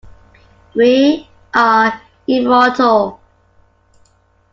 We "are" immortal!